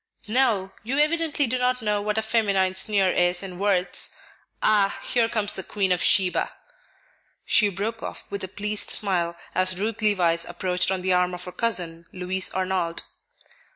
"No; you evidently do not know what a feminine sneer is in words. Ah, here comes the Queen of Sheba." She broke off with a pleased smile as Ruth Levice approached on the arm of her cousin, Louis Arnold.